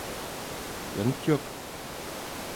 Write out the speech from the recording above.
Yanıt yok.